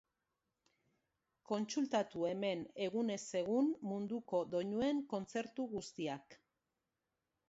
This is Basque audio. Kontsultatu hemen egunez egun munduko doinuen kontzertu guztiak.